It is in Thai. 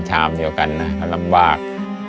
ชามเดียวกันนะก็ลำบาก